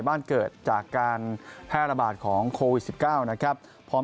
บ้านเกิดจากการแพร่ระบาดของโควิด๑๙นะครับพร้อม